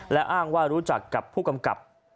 และอ้างว่ารู้จักกับผู้กำกับ